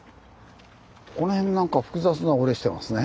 この辺なんか複雑な折れしてますね。